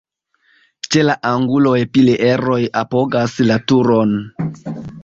Ĉe la anguloj pilieroj apogas la turon.